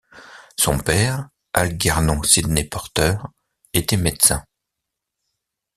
Son père, Algernon Sidney Porter, était médecin.